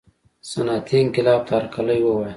صنعتي انقلاب ته هرکلی ووایه.